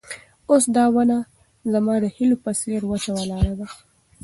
اوس دا ونه زما د هیلو په څېر وچه ولاړه ده.